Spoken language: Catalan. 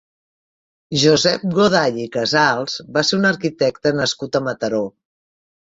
Josep Goday i Casals va ser un arquitecte nascut a Mataró.